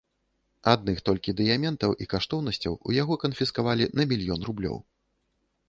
Адных толькі дыяментаў і каштоўнасцяў у яго канфіскавалі на мільён рублёў.